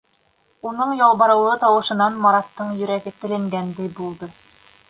Уның ялбарыулы тауышынан Мараттың йөрәге теленгәндәй булды.